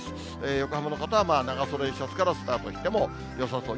横浜の方は長袖シャツからスタートしてもよさそう。